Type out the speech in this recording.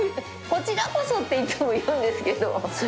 こちらこそっていつも言うんですけど。